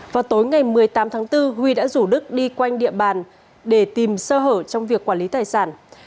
vào tối ngày một mươi tám tháng bốn huy đã rủ đức đi quanh địa bàn để tìm sơ hở trong việc quản lý tài sản